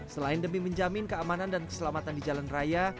selain demi menjamin keamanan dan keselamatan di jalan raya